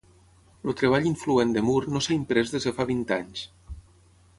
El treball influent de Moore no s'ha imprès des de fa vint anys.